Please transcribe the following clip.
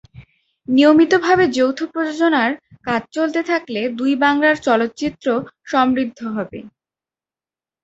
নিয়মিতভাবে যৌথ প্রযোজনার কাজ চলতে থাকলে দুই বাংলার চলচ্চিত্র সমৃদ্ধ হবে।